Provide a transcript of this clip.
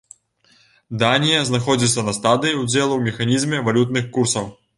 Данія знаходзіцца на стадыі ўдзелу ў механізме валютных курсаў.